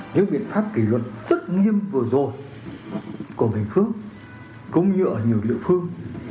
những biện pháp kỷ luật tất nghiêm vừa rồi của bình phước cũng như ở nhiều địa phương